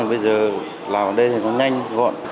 bây giờ làm ở đây thì còn nhanh gọn